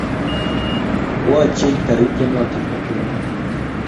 Wachei toritie noto kemoi